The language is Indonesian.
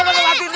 beri beri beri